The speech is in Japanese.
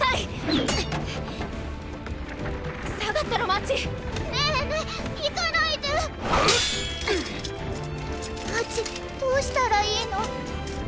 マーチどうしたらいいの？